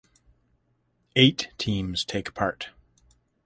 Eight teams take part.